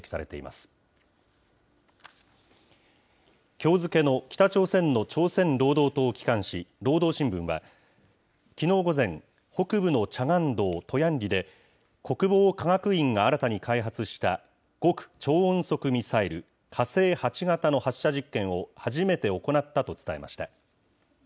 きょう付けの北朝鮮の朝鮮労働党機関紙、労働新聞は、きのう午前、北部のチャガン道トヤンリで、国防科学院が新たに開発した極超音速ミサイル火星８型の発射実験を初めて行ったと伝えました。